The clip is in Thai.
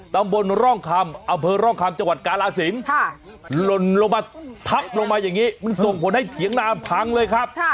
ตำบลร่องคำอำเภอร่องคำจังหวัดกาลาศิลป์หล่นลงมาทับลงมาอย่างนี้มันส่งผลให้เถียงนามพังเลยครับ